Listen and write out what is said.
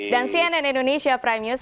dan cnn indonesia prime news